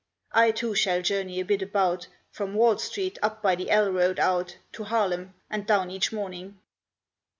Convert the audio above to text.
I too shall journey a bit about, From Wall Street up by the L. Road out To Harlem, and down each morning."